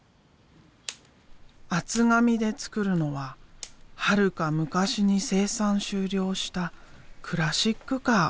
厚紙で作るのははるか昔に生産終了したクラシックカー。